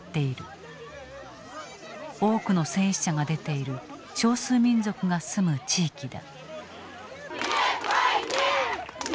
多くの戦死者が出ている少数民族が住む地域だ。